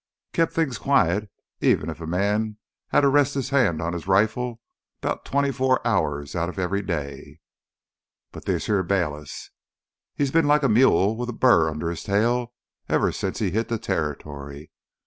Kept things quiet even if a man hadda rest his hand on his rifle 'bout twenty four hours outta every day. "But this here Bayliss—he's been like a mule with a burr under his tail ever since he hit th' territory.